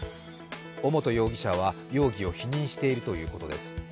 尾本容疑者は容疑を否認しているということです。